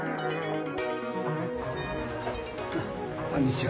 あっこんにちは。